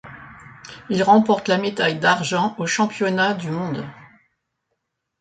Il remporte la médaille d'argent aux Championnats du monde.